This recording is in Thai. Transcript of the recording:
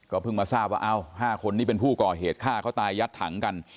เพิ่งมาทราบว่า๕คนนี้เป็นผู้ก่อเหตุฆ่าเขาตายยัดถังกัน